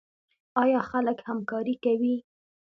آیا خلک همکاري کوي؟